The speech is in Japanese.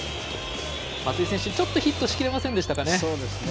松井選手、ちょっとヒットしきれませんでしたかね。